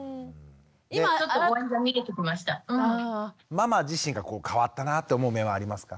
ママ自身が変わったなって思う面はありますか？